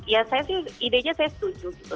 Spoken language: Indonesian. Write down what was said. ya saya sih ide nya saya setuju gitu